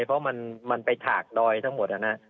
เพราะว่ามันมันไปถากดอยทั้งหมดนะฮะ